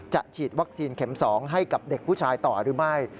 ฉีดวัคซีนเข็ม๒ให้กับเด็กผู้ชายต่อหรือไม่